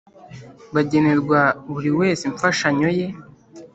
bagenerwa buri wese imfashanyo ye.